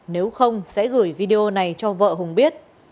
nếu không sẽ gửi video này cho vợ hùng biết